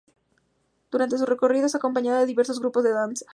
Durante su recorrido es acompañada de diversos grupos de danza.